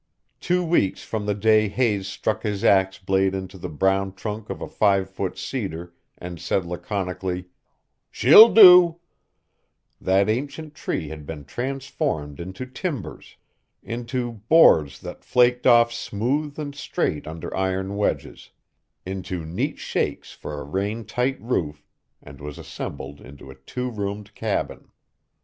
Two weeks from the day Hayes struck his axe blade into the brown trunk of a five foot cedar and said laconically, "She'll do", that ancient tree had been transformed into timbers, into boards that flaked off smooth and straight under iron wedges, into neat shakes for a rain tight roof, and was assembled into a two roomed cabin.